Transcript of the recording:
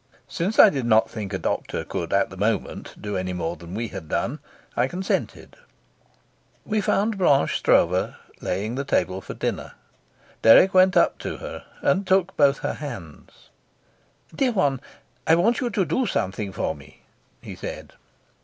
Since I did not think a doctor could at the moment do any more than we had done, I consented. We found Blanche Stroeve laying the table for dinner. Dirk went up to her, and took both her hands. "Dear one, I want you to do something for me," he said.